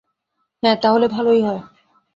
হ্যাঁ, তাহলে ভালোই হয়।